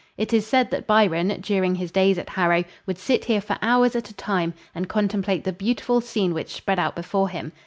It is said that Byron, during his days at Harrow, would sit here for hours at a time and contemplate the beautiful scene which spread out before him.